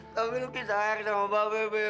tapi luki sayang sama mbak bebe